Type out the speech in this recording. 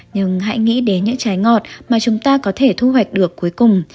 nhưng hãy nghĩ đến những trái ngọt mà chúng ta có thể thu hoạch được cuối cùng